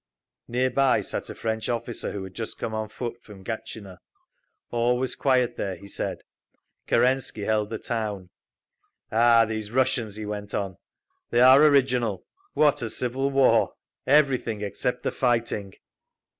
Nearby sat a French officer who had just come on foot from Gatchina. All was quiet there, he said. Kerensky held the town. "Ah, these Russians," he went on, "they are original! What a civil war! Everything except the fighting!"